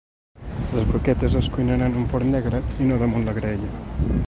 Les broquetes es cuinen en un forn negre, i no damunt la graella.